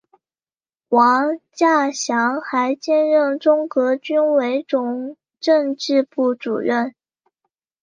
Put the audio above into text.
王稼祥还兼任中革军委总政治部主任。